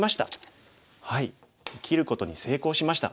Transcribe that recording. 生きることに成功しました。